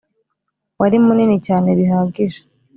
wari munini cyane bihagije